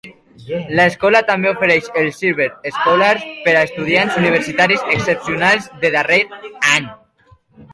L'escola també ofereix el Silver Scholars per a estudiants universitaris excepcionals de darrer any.